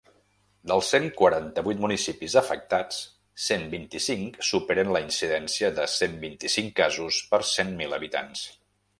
Dels cent quaranta-vuit municipis afectats, cent vint-i-cinc superen la incidència de cent vint-i-cinc casos per cent mil habitants.